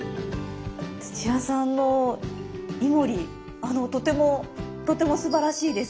土屋さんのイモリとてもとてもすばらしいです。